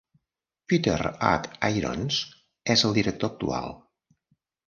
Peter H. Irons és el director actual.